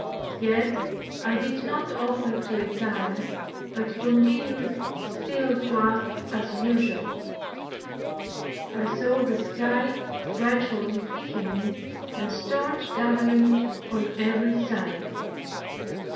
Yet I did not offer to retire, but continued still to act as usual. I saw the sky gradually thickening and storms gathering on every side.